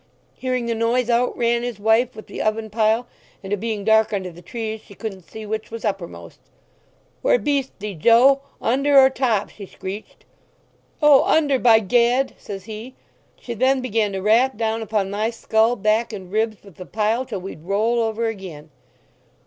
Hearing the noise, out ran his wife with the oven pyle, and it being dark under the trees she couldn't see which was uppermost. 'Where beest thee, Joe, under or top?' she screeched. 'O—under, by Gad!' says he. She then began to rap down upon my skull, back, and ribs with the pyle till we'd roll over again.